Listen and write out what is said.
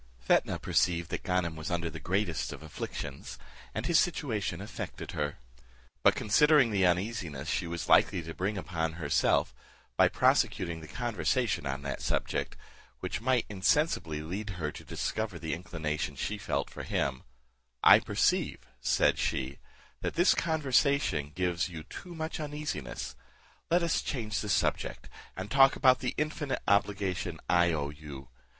Fetnah perceived that Ganem was under the greatest of afflictions, and his situation affected her; but considering the uneasiness she was likely to bring upon herself, by prosecuting the conversation on that subject, which might insensibly lead her to discover the inclination she felt for him; "I perceive," said she, "that this conversetion gives you too much uneasiness; let us change the subject, and talk of the infinite obligation I owe you.